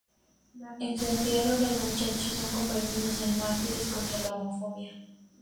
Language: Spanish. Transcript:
En su entierro, los muchachos son convertidos en mártires contra la homofobia.